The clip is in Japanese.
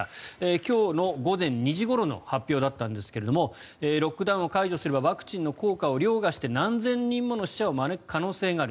今日の午前２時ごろの発表だったんですがロックダウンを解除すればワクチンの効果を凌駕して何千人もの死者を招く可能性がある